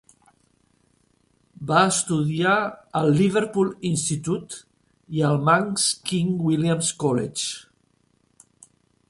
Va estudiat al Liverpool Institute i al Manx King William's College.